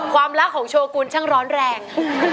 ความรักของโชกุลช่างร้อนแรง